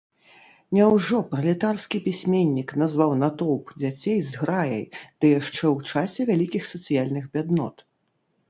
Няўжо пралетарскі пісьменнік назваў натоўп дзяцей зграяй, ды яшчэ ў часе вялікіх сацыяльных бяднот?